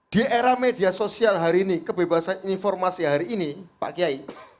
di era media sosial hari ini kebebasan informasi hari ini pak kiai